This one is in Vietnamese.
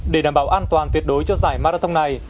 để đảm bảo an toàn tuyệt đối cho giải marathon này